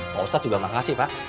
pak ustadz juga makasih pak